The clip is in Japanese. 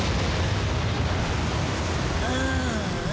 ああ